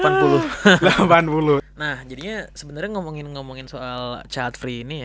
nah jadinya sebenernya ngomongin ngomongin soal childfree ini ya